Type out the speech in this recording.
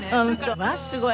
わっすごい。